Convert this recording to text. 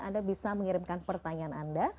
anda bisa mengirimkan pertanyaan anda